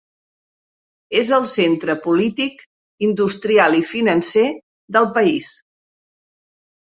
És el centre polític, industrial i financer del país.